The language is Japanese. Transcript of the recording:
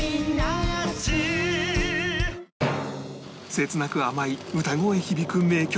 切なく甘い歌声響く名曲